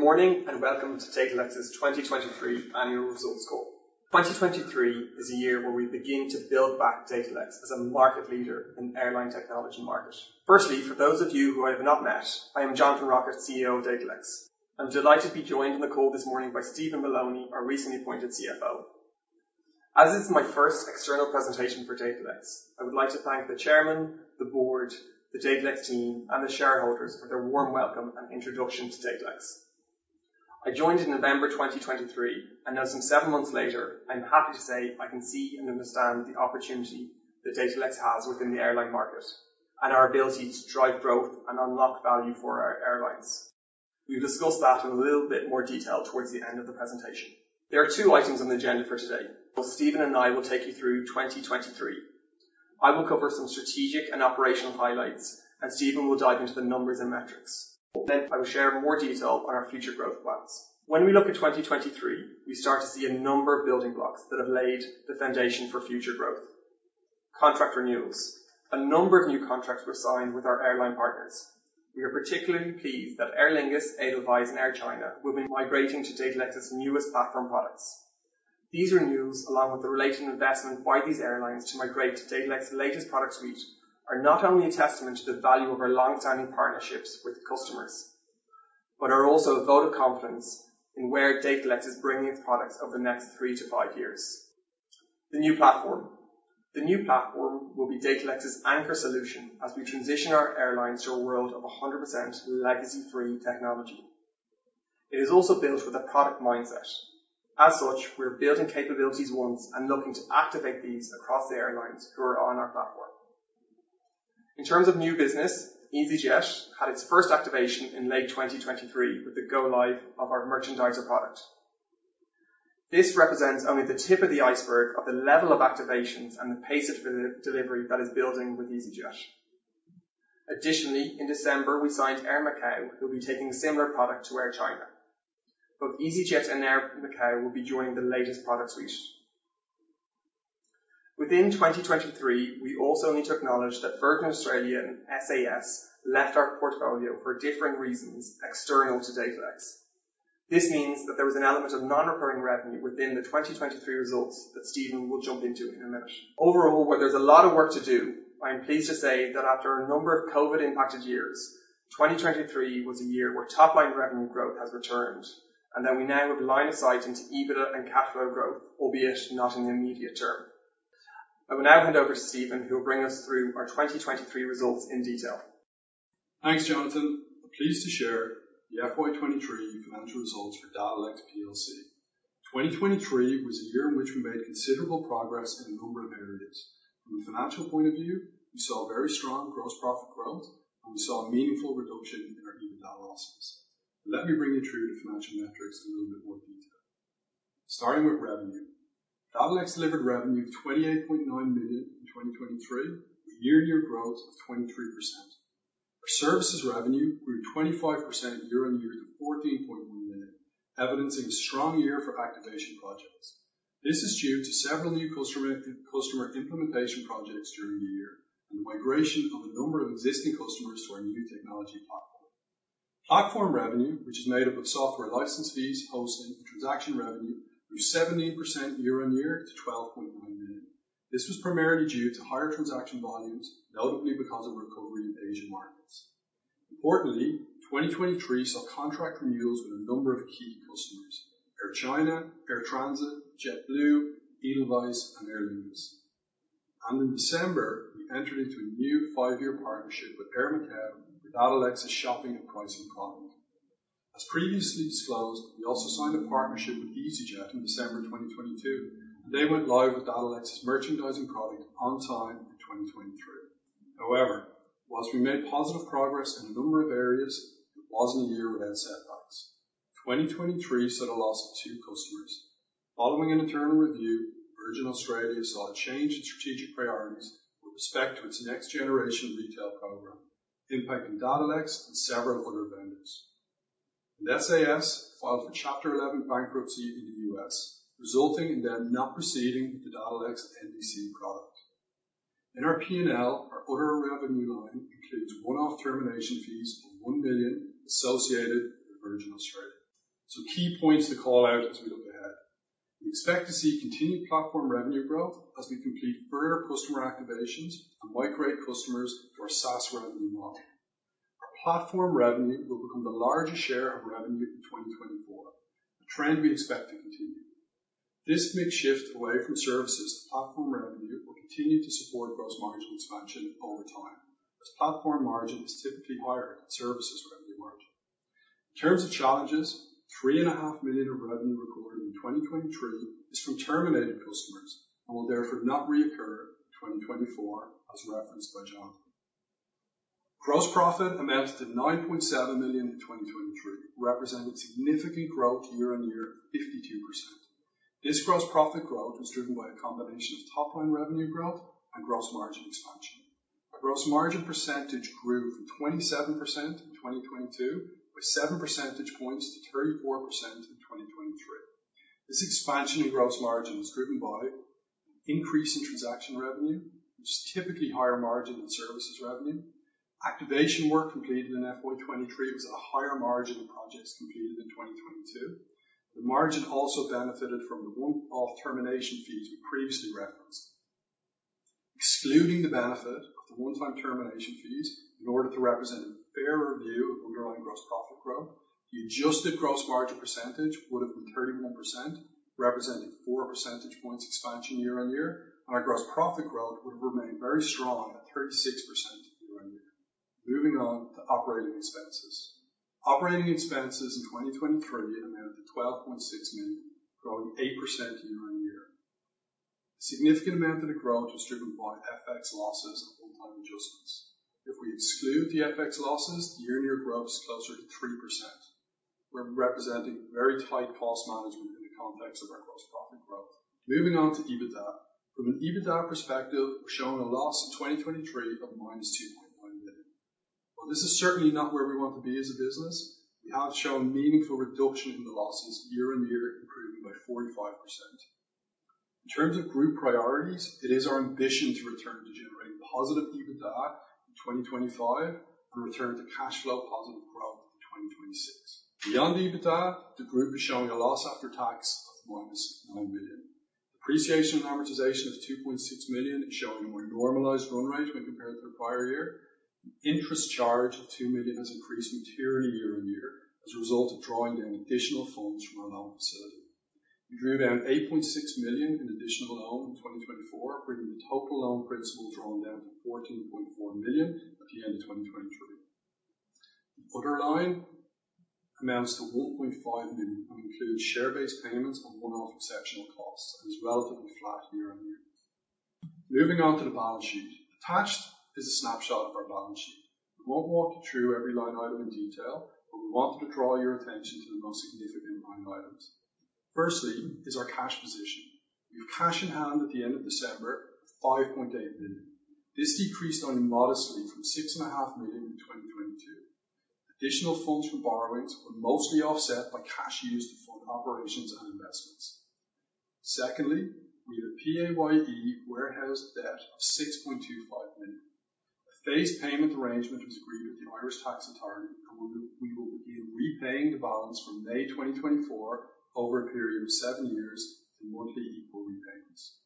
Good morning and welcome to Datalex's 2023 Annual Results Call. 2023 is a year where we begin to build back Datalex as a market leader in the airline technology market. Firstly, for those of you who I have not met, I am Jonathan Rockett, CEO of Datalex. I'm delighted to be joined on the call this morning by Steven Moloney, our recently appointed CFO. As this is my first external presentation for Datalex, I would like to thank the Chairman, the Board, the Datalex team, and the shareholders for their warm welcome and introduction to Datalex. I joined in November 2023, and now, some seven months later, I'm happy to say I can see and understand the opportunity that Datalex has within the airline market and our ability to drive growth and unlock value for our airlines. We'll discuss that in a little bit more detail towards the end of the presentation. There are two items on the agenda for today. Steven and I will take you through 2023. I will cover some strategic and operational highlights, and Steven will dive into the numbers and metrics. Then I will share more detail on our future growth plans. When we look at 2023, we start to see a number of building blocks that have laid the foundation for future growth: contract renewals. A number of new contracts were signed with our airline partners. We are particularly pleased that Aer Lingus, Edelweiss, and Air China will be migrating to Datalex's newest platform products. These renewals, along with the related investment by these airlines to migrate to Datalex's latest product suite, are not only a testament to the value of our longstanding partnerships with customers, but are also a vote of confidence in where Datalex is bringing its products over the next three to five years. The new platform will be Datalex's anchor solution as we transition our airlines to a world of 100% legacy-free technology. It is also built with a product mindset. As such, we're building capabilities once and looking to activate these across the airlines who are on our platform. In terms of new business, easyJet had its first activation in late 2023 with the go-live of our merchandiser product. This represents only the tip of the iceberg of the level of activations and the pace of delivery that is building with easyJet. Additionally, in December, we signed Air Macau, who will be taking a similar product to Air China. Both easyJet and Air Macau will be joining the latest product suite. Within 2023, we also need to acknowledge that Virgin Australia and SAS left our portfolio for different reasons external to Datalex. This means that there was an element of non-recurring revenue within the 2023 results that Steven will jump into in a minute. Overall, where there's a lot of work to do, I'm pleased to say that after a number of COVID-impacted years, 2023 was a year where top-line revenue growth has returned, and that we now have a line of sight into EBITDA and cash flow growth, albeit not in the immediate term. I will now hand over to Steven, who will bring us through our 2023 results in detail. Thanks, Jonathan. I'm pleased to share the FY23 financial results for Datalex plc. 2023 was a year in which we made considerable progress in a number of areas. From a financial point of view, we saw very strong gross profit growth, and we saw a meaningful reduction in our EBITDA losses. Let me bring you through the financial metrics in a little bit more detail. Starting with revenue, Datalex delivered revenue of $28.9 million in 2023, with year-on-year growth of 23%. Our services revenue grew 25% year-on-year to $14.1 million, evidencing a strong year for activation projects. This is due to several new customer implementation projects during the year and the migration of a number of existing customers to our new technology platform. Platform revenue, which is made up of software license fees, hosting, and transaction revenue, grew 17% year-on-year to $12.9 million. This was primarily due to higher transaction volumes, notably because of recovery in Asian markets. Importantly, 2023 saw contract renewals with a number of key customers: Air China, Air Transat, JetBlue, Edelweiss Air, and Aer Lingus. In December, we entered into a new 5-year partnership with Air Macau with Datalex's shopping and pricing product. As previously disclosed, we also signed a partnership with easyJet in December 2022, and they went live with Datalex's merchandising product on time in 2023. However, while we made positive progress in a number of areas, it wasn't a year without setbacks. 2023 saw the loss of 2 customers. Following an internal review, Virgin Australia saw a change in strategic priorities with respect to its next-generation retail program, impacting Datalex and several other vendors. SAS filed for Chapter 11 bankruptcy in the U.S., resulting in them not proceeding with the Datalex NDC product. In our P&L, our other revenue line includes one-off termination fees of $1 million associated with Virgin Australia. Some key points to call out as we look ahead. We expect to see continued platform revenue growth as we complete further customer activations and migrate customers to our SaaS revenue model. Our platform revenue will become the largest share of revenue in 2024, a trend we expect to continue. This mixed shift away from services to platform revenue will continue to support gross margin expansion over time, as platform margin is typically higher than services revenue margin. In terms of challenges, $3.5 million of revenue recorded in 2023 is from terminated customers and will therefore not reoccur in 2024, as referenced by Jonathan. Gross profit amounts to $9.7 million in 2023, representing significant growth year-on-year of 52%. This gross profit growth was driven by a combination of top-line revenue growth and gross margin expansion. Our gross margin percentage grew from 27% in 2022 by 7 percentage points to 34% in 2023. This expansion in gross margin was driven by an increase in transaction revenue, which is typically higher margin than services revenue. Activation work completed in FY23 was at a higher margin than projects completed in 2022. The margin also benefited from the one-off termination fees we previously referenced. Excluding the benefit of the one-time termination fees, in order to represent a fairer view of underlying gross profit growth, the adjusted gross margin percentage would have been 31%, representing 4 percentage points expansion year-on-year, and our gross profit growth would have remained very strong at 36% year-on-year. Moving on to operating expenses. Operating expenses in 2023 amount to $12.6 million, growing 8% year-on-year. A significant amount of the growth was driven by FX losses and one-time adjustments. If we exclude the FX losses, the year-on-year growth is closer to 3%, representing very tight cost management in the context of our gross profit growth. Moving on to EBITDA. From an EBITDA perspective, we're showing a loss in 2023 of -$2.9 million. While this is certainly not where we want to be as a business, we have shown meaningful reduction in the losses year-on-year, improving by 45%. In terms of group priorities, it is our ambition to return to generating positive EBITDA in 2025 and return to cash flow positive growth in 2026. Beyond EBITDA, the group is showing a loss after tax of -$9 million. Depreciation and amortization of $2.6 million is showing a more normalized run rate when compared to the prior year. The interest charge of $2 million has increased materially year-over-year as a result of drawing down additional funds from our loan facility. We drew down $8.6 million in additional loan in 2024, bringing the total loan principal drawn down to $14.4 million at the end of 2023. The other line amounts to $1.5 million and includes share-based payments and one-off exceptional costs, and is relatively flat year-over-year. Moving on to the balance sheet. Attached is a snapshot of our balance sheet. We won't walk you through every line item in detail, but we wanted to draw your attention to the most significant line items. Firstly is our cash position. We have cash in hand at the end of December of $5.8 million. This decreased only modestly from $6.5 million in 2022. Additional funds from borrowings were mostly offset by cash used to fund operations and investments. Secondly, we have a PAYE warehouse debt of $6.25 million. A phased payment arrangement was agreed with the Irish tax authority, and we will begin repaying the balance from May 2024 over a period of seven years in monthly equal repayments.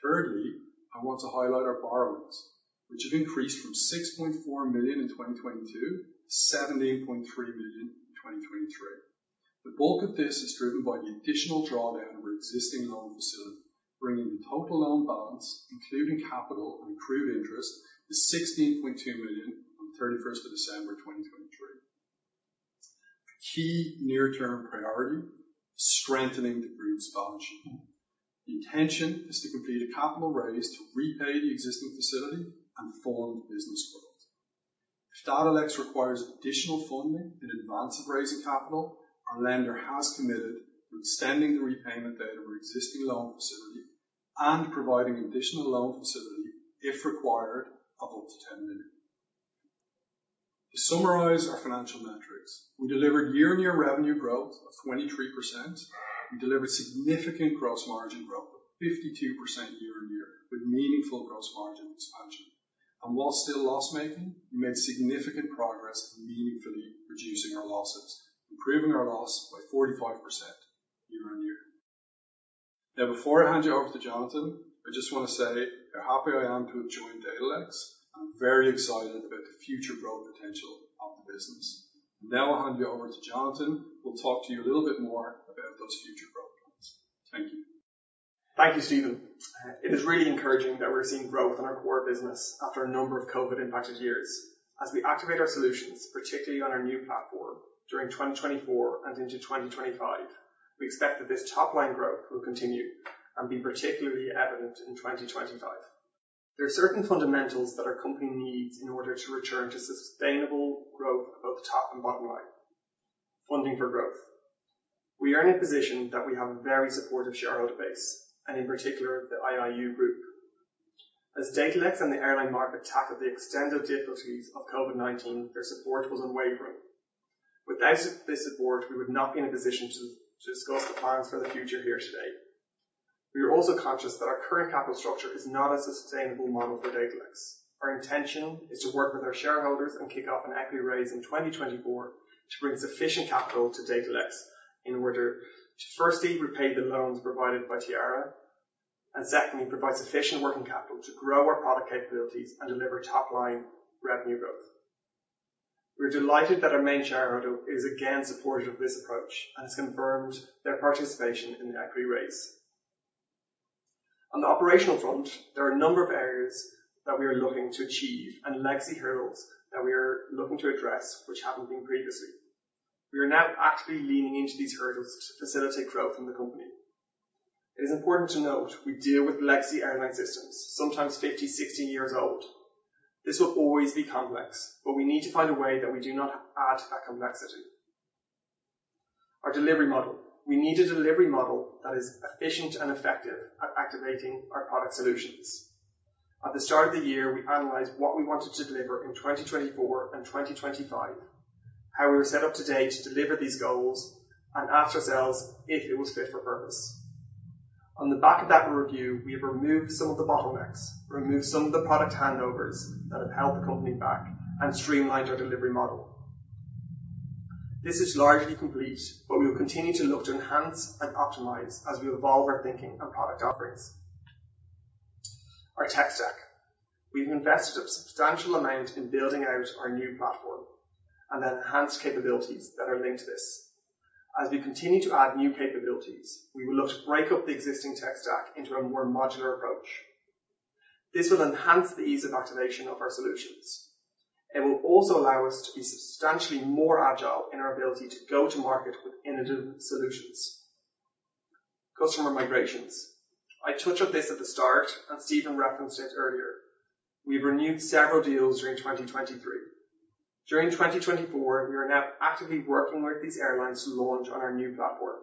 Thirdly, I want to highlight our borrowings, which have increased from $6.4 million in 2022 to $17.3 million in 2023. The bulk of this is driven by the additional drawdown of our existing loan facility, bringing the total loan balance, including capital and accrued interest, to $16.2 million on the 31st of December 2023. A key near-term priority is strengthening the group's balance sheet. The intention is to complete a capital raise to repay the existing facility and fund business growth. If Datalex requires additional funding in advance of raising capital, our lender has committed to extending the repayment date of our existing loan facility and providing an additional loan facility, if required, of up to $10 million. To summarize our financial metrics, we delivered year-on-year revenue growth of 23%. We delivered significant gross margin growth of 52% year-on-year with meaningful gross margin expansion. And while still loss-making, we made significant progress in meaningfully reducing our losses, improving our loss by 45% year-on-year. Now, before I hand you over to Jonathan, I just want to say how happy I am to have joined Datalex. I'm very excited about the future growth potential of the business. Now I'll hand you over to Jonathan, who will talk to you a little bit more about those future growth plans. Thank you. Thank you, Steven. It is really encouraging that we're seeing growth in our core business after a number of COVID-impacted years. As we activate our solutions, particularly on our new platform during 2024 and into 2025, we expect that this top-line growth will continue and be particularly evident in 2025. There are certain fundamentals that our company needs in order to return to sustainable growth above the top and bottom line: funding for growth. We are in a position that we have a very supportive shareholder base, and in particular, the IIU group. As Datalex and the airline market tackled the extended difficulties of COVID-19, their support was unwavering. Without this support, we would not be in a position to discuss the plans for the future here today. We are also conscious that our current capital structure is not a sustainable model for Datalex. Our intention is to work with our shareholders and kick off an equity raise in 2024 to bring sufficient capital to Datalex in order to, firstly, repay the loans provided by Tireragh and, secondly, provide sufficient working capital to grow our product capabilities and deliver top-line revenue growth. We are delighted that our main shareholder is again supportive of this approach and has confirmed their participation in the equity raise. On the operational front, there are a number of areas that we are looking to achieve and legacy hurdles that we are looking to address, which haven't been previously. We are now actively leaning into these hurdles to facilitate growth in the company. It is important to note we deal with legacy airline systems, sometimes 50, 60 years old. This will always be complex, but we need to find a way that we do not add to that complexity. Our delivery model. We need a delivery model that is efficient and effective at activating our product solutions. At the start of the year, we analyzed what we wanted to deliver in 2024 and 2025, how we were set up today to deliver these goals, and asked ourselves if it was fit for purpose. On the back of that review, we have removed some of the bottlenecks, removed some of the product handovers that have held the company back, and streamlined our delivery model. This is largely complete, but we will continue to look to enhance and optimize as we evolve our thinking and product offerings. Our tech stack. We have invested a substantial amount in building out our new platform and the enhanced capabilities that are linked to this. As we continue to add new capabilities, we will look to break up the existing tech stack into a more modular approach. This will enhance the ease of activation of our solutions. It will also allow us to be substantially more agile in our ability to go to market with innovative solutions. Customer migrations. I touched on this at the start, and Steven referenced it earlier. We have renewed several deals during 2023. During 2024, we are now actively working with these airlines to launch on our new platform.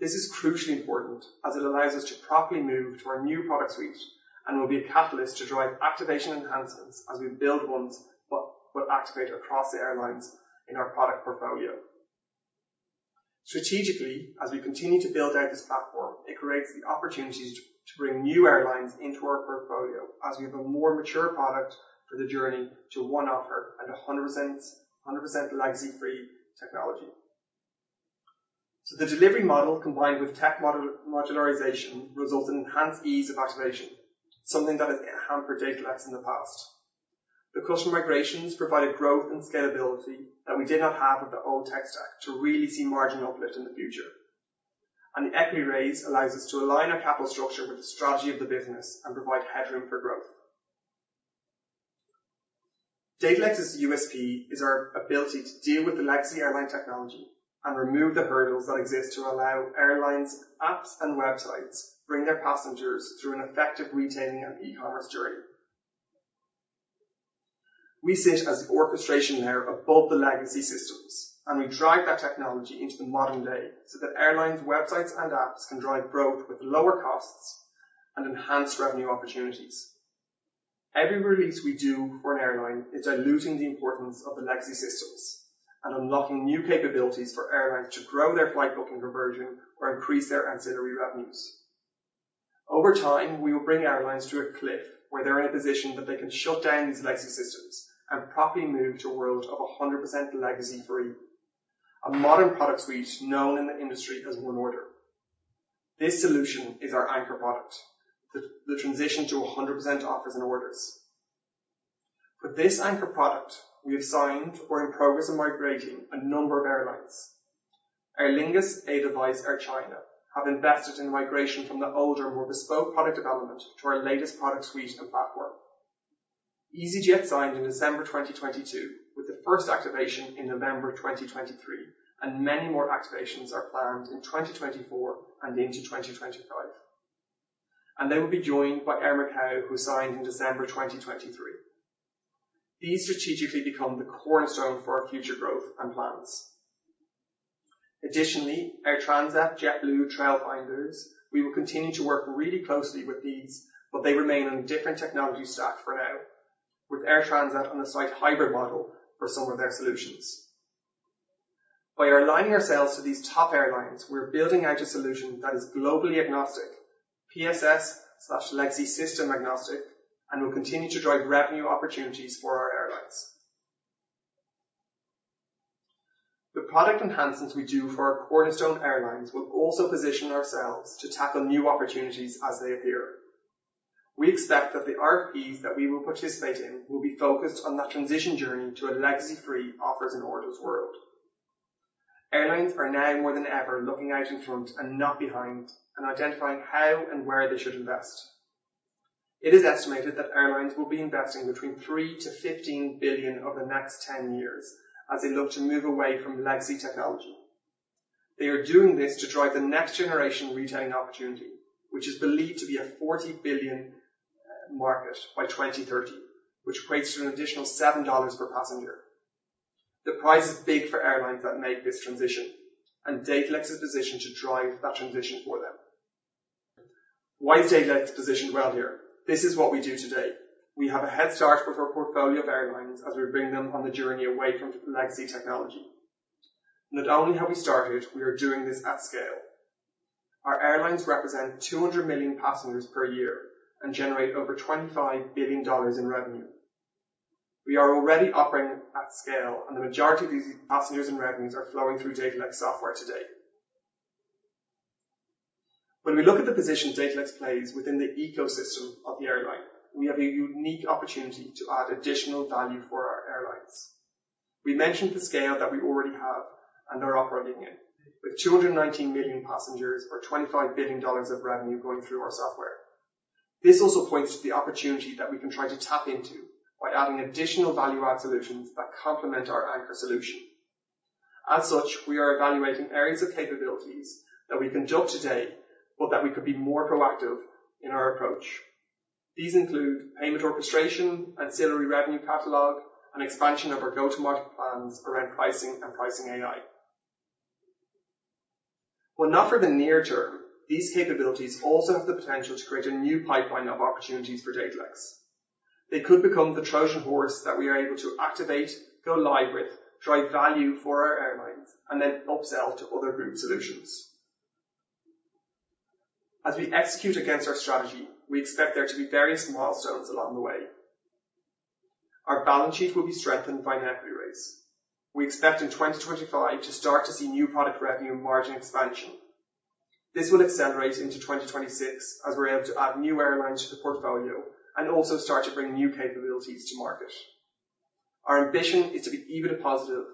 This is crucially important as it allows us to properly move to our new product suite and will be a catalyst to drive activation enhancements as we build ones that will activate across the airlines in our product portfolio. Strategically, as we continue to build out this platform, it creates the opportunity to bring new airlines into our portfolio as we have a more mature product for the journey to One Order and 100% legacy-free technology. So the delivery model, combined with tech modularization, results in enhanced ease of activation, something that has enhanced Datalex in the past. The customer migrations provide a growth and scalability that we did not have with the old tech stack to really see margin uplift in the future. The equity raise allows us to align our capital structure with the strategy of the business and provide headroom for growth. Datalex's USP is our ability to deal with the legacy airline technology and remove the hurdles that exist to allow airlines, apps, and websites to bring their passengers through an effective retailing and e-commerce journey. We sit as the orchestration layer above the legacy systems, and we drive that technology into the modern day so that airlines, websites, and apps can drive growth with lower costs and enhanced revenue opportunities. Every release we do for an airline is diluting the importance of the legacy systems and unlocking new capabilities for airlines to grow their flight booking conversion or increase their ancillary revenues. Over time, we will bring airlines to a cliff where they're in a position that they can shut down these legacy systems and properly move to a world of 100% legacy-free, a modern product suite known in the industry as One Order. This solution is our anchor product, the transition to 100% offers and orders. For this anchor product, we have signed or are in progress of migrating a number of airlines. Aer Lingus, Edelweiss, and Air China have invested in migration from the older, more bespoke product development to our latest product suite and platform. easyJet signed in December 2022, with the first activation in November 2023, and many more activations are planned in 2024 and into 2025. They will be joined by Air Macau, who signed in December 2023. These strategically become the cornerstone for our future growth and plans. Additionally, Air Transat, JetBlue, and Trailfinders, we will continue to work really closely with these, but they remain on a different technology stack for now, with Air Transat on a hybrid model for some of their solutions. By aligning ourselves to these top airlines, we are building out a solution that is globally agnostic, PSS/legacy system agnostic, and will continue to drive revenue opportunities for our airlines. The product enhancements we do for our cornerstone airlines will also position ourselves to tackle new opportunities as they appear. We expect that the RFPs that we will participate in will be focused on that transition journey to a legacy-free offers and orders world. Airlines are now more than ever looking out in front and not behind and identifying how and where they should invest. It is estimated that airlines will be investing between $3 billion-$15 billion over the next 10 years as they look to move away from legacy technology. They are doing this to drive the next generation retailing opportunity, which is believed to be a $40 billion market by 2030, which equates to an additional $7 per passenger. The price is big for airlines that make this transition, and Datalex is positioned to drive that transition for them. Why is Datalex positioned well here? This is what we do today. We have a head start with our portfolio of airlines as we bring them on the journey away from legacy technology. Not only have we started, we are doing this at scale. Our airlines represent 200 million passengers per year and generate over $25 billion in revenue. We are already operating at scale, and the majority of these passengers and revenues are flowing through Datalex software today. When we look at the position Datalex plays within the ecosystem of the airline, we have a unique opportunity to add additional value for our airlines. We mentioned the scale that we already have and are operating in, with 219 million passengers or $25 billion of revenue going through our software. This also points to the opportunity that we can try to tap into by adding additional value-add solutions that complement our anchor solution. As such, we are evaluating areas of capabilities that we can do today, but that we could be more proactive in our approach. These include payment orchestration, ancillary revenue catalog, and expansion of our go-to-market plans around pricing and Pricing AI. Well, not for the near term, these capabilities also have the potential to create a new pipeline of opportunities for Datalex. They could become the Trojan horse that we are able to activate, go live with, drive value for our airlines, and then upsell to other group solutions. As we execute against our strategy, we expect there to be various milestones along the way. Our balance sheet will be strengthened by an equity raise. We expect in 2025 to start to see new product revenue and margin expansion. This will accelerate into 2026 as we're able to add new airlines to the portfolio and also start to bring new capabilities to market. Our ambition is to be EBITDA positive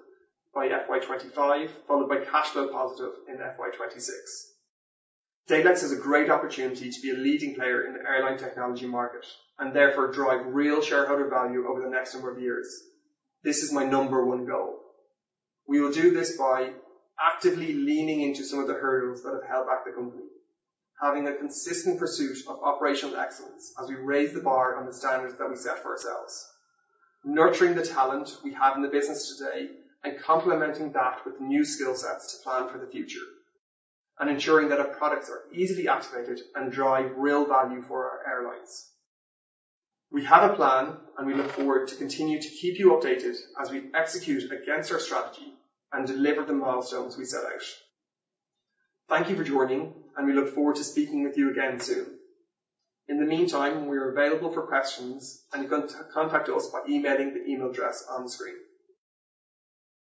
by FY 2025, followed by cash flow positive in FY 2026. Datalex has a great opportunity to be a leading player in the airline technology market and therefore drive real shareholder value over the next number of years. This is my number one goal. We will do this by actively leaning into some of the hurdles that have held back the company, having a consistent pursuit of operational excellence as we raise the bar on the standards that we set for ourselves, nurturing the talent we have in the business today and complementing that with new skill sets to plan for the future and ensuring that our products are easily activated and drive real value for our airlines. We have a plan, and we look forward to continuing to keep you updated as we execute against our strategy and deliver the milestones we set out. Thank you for joining, and we look forward to speaking with you again soon. In the meantime, we are available for questions, and you can contact us by emailing the email address on the screen.